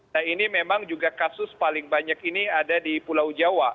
nah ini memang juga kasus paling banyak ini ada di pulau jawa